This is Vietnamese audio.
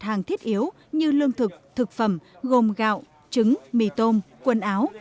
hàng thiết yếu như lương thực thực phẩm gồm gạo trứng mì tôm quần áo